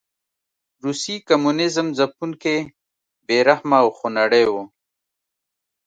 روسي کمونېزم ځپونکی، بې رحمه او خونړی و.